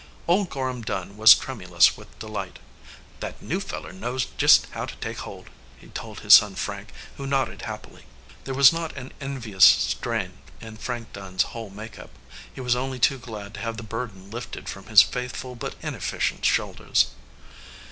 Old Gorham Dunn was tremulous with delight. "That new feller knows jest how to take hold," he told his son Frank, who nodded happily. There was not an envious strain in Frank Dunn s whole make up. He was only too glad to have the burden lifted from his faithful but inefficient shoul ders.